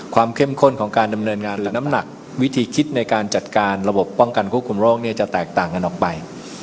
เข้มข้นของการดำเนินงานหรือน้ำหนักวิธีคิดในการจัดการระบบป้องกันควบคุมโรคเนี่ยจะแตกต่างกันออกไป